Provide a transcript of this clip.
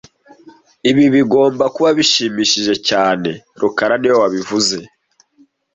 Ibi bigomba kuba bishimishije cyane rukara niwe wabivuze